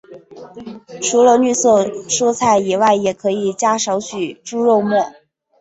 除了绿色蔬菜以外也可以加少许猪肉末。